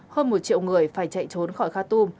hơn một triệu người phải chạy trốn khỏi khartoum